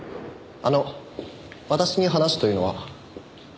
あの私に話というのは？